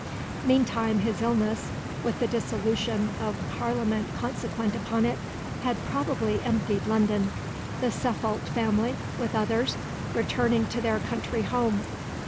Meantime his illness, with the dissolution of Parliament consequent upon it, had probably emptied London; the Suffolk family, with others, returning to their country home.